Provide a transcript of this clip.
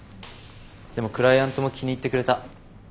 でもクライアントも気に入ってくれた。